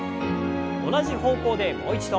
同じ方向でもう一度。